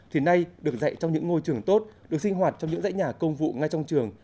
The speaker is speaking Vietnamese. thì nay được dạy trong những ngôi trường tốt được sinh hoạt trong những dãy nhà công vụ ngay trong trường